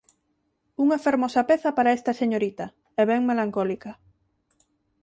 Unha fermosa peza para esta señorita, e ben melancólica.